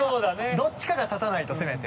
どっちかが立たないとせめて。